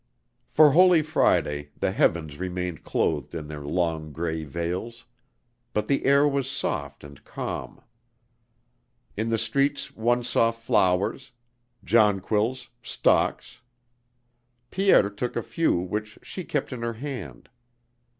FOR Holy Friday the heavens remained clothed in their long gray veils; but the air was soft and calm. In the streets one saw flowers, jonquils, stocks. Pierre took a few which she kept in her hand.